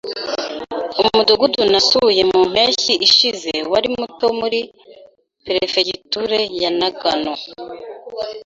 Umudugudu nasuye mu mpeshyi ishize wari muto muri perefegitura ya Nagano.